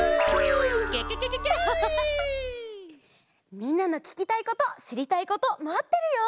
みんなのききたいことしりたいことまってるよ！